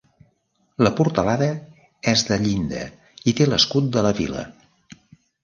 La portalada és de llinda i té l'escut de la vila.